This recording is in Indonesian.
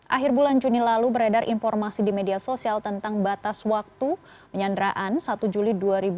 akhir bulan juni lalu beredar informasi di media sosial tentang batas waktu penyanderaan satu juli dua ribu dua puluh